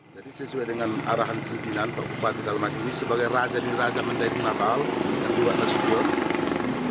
jadi sesuai dengan arahan pimpinan pak bupati dalma gini sebagai raja di raja mandailing natal yang di buat nasution